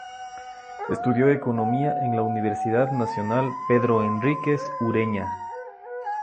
Estudió economía en la Universidad Nacional Pedro Henríquez Ureña.